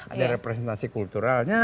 ada representasi kulturalnya